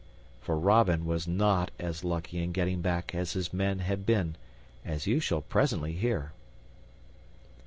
For Robin was not as lucky in getting back as his men had been, as you shall presently hear.